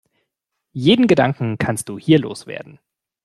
Jeden Gedanken kannst du hier los werden.